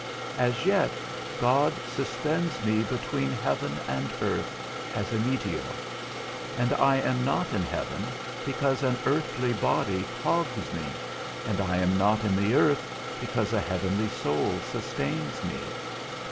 As yet God suspends me between heaven and earth, as a meteor; and I am not in heaven because an earthly body clogs me, and I am not in the earth because a heavenly soul sustains me.